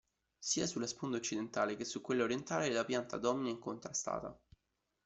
Sia sulla sponda occidentale che su quella orientale la pianta domina incontrastata.